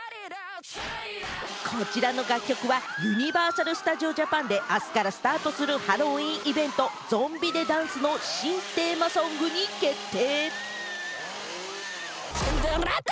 こちらの楽曲はユニバーサル・スタジオ・ジャパンであすからスタートするハロウィーンイベント、ゾンビ・デ・ダンスの新テーマソングに決定。